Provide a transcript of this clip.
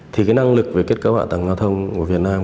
thì cái năng lực về kết cấu hạ tầng giao thông của việt nam